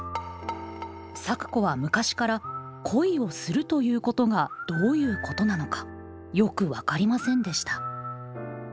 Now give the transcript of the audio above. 咲子は昔から恋をするということがどういうことなのかよく分かりませんでした。